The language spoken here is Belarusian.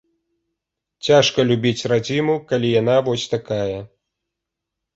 Цяжка любіць радзіму, калі яна вось такая.